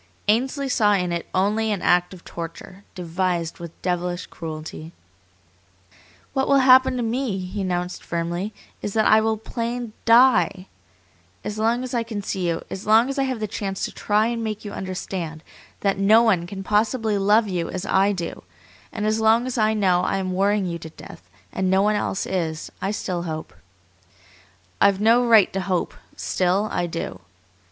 Ainsley saw in it only an act of torture, devised with devilish cruelty. "What will happen to me," he announced firmly, "is that I will plain DIE! As long as I can see you, as long as I have the chance to try and make you understand that no one can possibly love you as I do, and as long as I know I am worrying you to death, and no one else is, I still hope. I've no right to hope, still I do.